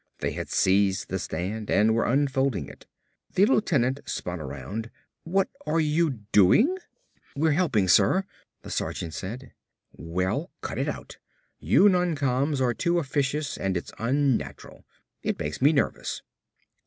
They had seized the stand and were unfolding it. The lieutenant spun around. "What are you doing?" "We're helping, sir," the sergeant said. "Well, cut it out. You noncoms are too officious and it's unnatural. It makes me nervous."